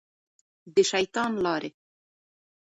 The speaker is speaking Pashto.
د شیطان لارې.